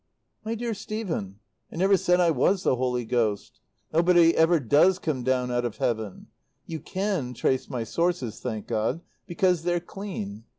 "My dear Stephen, I never said I was the Holy Ghost. Nobody ever does come down out of heaven. You can trace my sources, thank God, because they're clean.